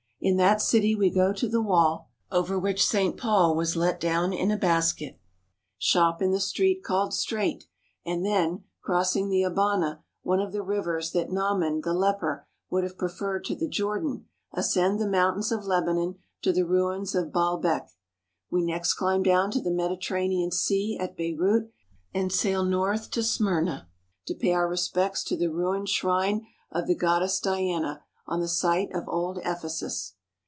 In that city we go to the wall over which Saint Paul was let down in a basket, shop in the Street called Straight, and then, crossing the Abana, one of the rivers that Naaman the Leper would have preferred to the Jordan, ascend the 2 JUST A WORD BEFORE WE START mountains of Lebanon to the ruins of Baalbek. We next climb down to the Mediterranean Sea at Beirut and sail north to Smyrna to pay our respects to the ruined shrine of the Goddess Diana on the site of old Ephesus.